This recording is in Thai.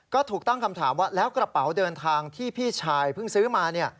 ก็ถูกตั้งคำถามว่าแล้วกระเป๋าเดินทางที่พี่ชายเพิ่งซื้อมา